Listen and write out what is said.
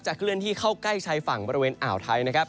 เคลื่อนที่เข้าใกล้ชายฝั่งบริเวณอ่าวไทยนะครับ